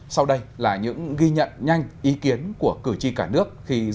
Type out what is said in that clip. sau đây là những ghi nhận nhanh ý kiến của cử tri cả nước